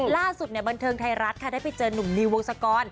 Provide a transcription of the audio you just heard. ล่าสุดบันเทิงไทยรัฐค่ะได้ไปเจอนุ่มนิววงศกร